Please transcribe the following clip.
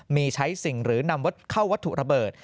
มีใช้สิ่งหรือนำเข้าวัตถุระเบิด